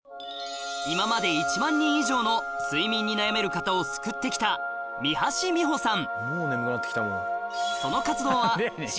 今まで１万人以上の睡眠に悩める方を救って来た三橋美穂さん